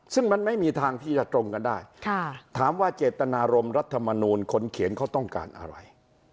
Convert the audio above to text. ซึ่งมันไม่มีทางที่จะตรงกันได้ถามว่าเจตนารมรัฐมนูลคนเขียนเขาต้องการอะไร